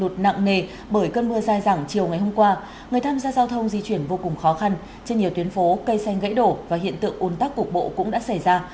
các giao thông di chuyển vô cùng khó khăn trên nhiều tuyến phố cây xanh gãy đổ và hiện tượng ôn tắc cục bộ cũng đã xảy ra